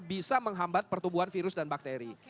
bisa menghambat pertumbuhan virus dan bakteri